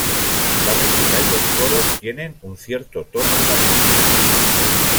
La música y los coros tienen un cierto tono de lamento.